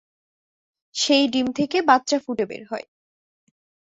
সেই ডিম থেকে বাচ্চা ফুটে বের হয়।